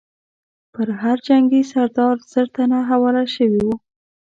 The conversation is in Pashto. پر هر جنګي سردار زر تنه حواله شوي وو.